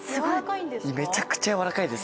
めちゃくちゃ柔らかいです。